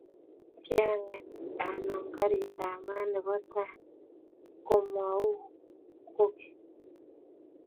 kiang'et anam karitab maat nebo tai ko maou kwekeny